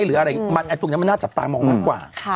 ตรงนั้นมันน่าจะจับตามองรวมกว่า